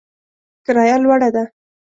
کرایه لوړه ده